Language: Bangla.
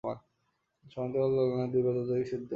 সমান্তরাল দোলনায় দুই বা ততোধিক শিশু অবস্থান করতে পারে।